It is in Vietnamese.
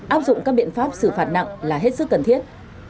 áp dụng các biện pháp xử phạt nặng là hết sức cần thiết